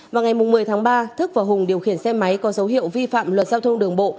vào ngày một mươi tháng ba thức và hùng điều khiển xe máy có dấu hiệu vi phạm luật giao thông đường bộ